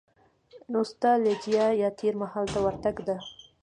نو ستالجیا یا تېر مهال ته ورتګ ده.